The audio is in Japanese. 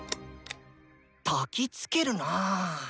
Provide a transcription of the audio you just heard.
たきつけるな。